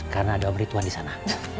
karena ada omrituan disana